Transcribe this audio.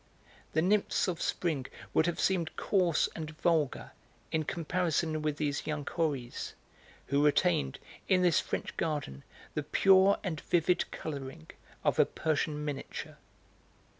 The nymphs of spring would have seemed coarse and vulgar in comparison with these young houris, who retained, in this French garden, the pure and vivid colouring of a Persian miniature.